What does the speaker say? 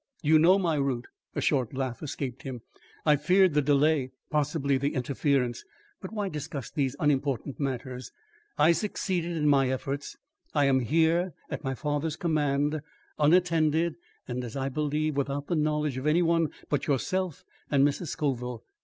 "You know my route." A short laugh escaped him. "I feared the delay possibly the interference But why discuss these unimportant matters! I succeeded in my efforts. I am here, at my father's command, unattended and, as I believe, without the knowledge of any one but yourself and Mrs. Scoville.